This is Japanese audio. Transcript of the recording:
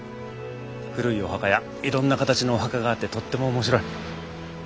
古いお墓やいろんな形のお墓があってとっても面白い。